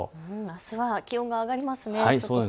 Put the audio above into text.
あすは気温が上がりますね。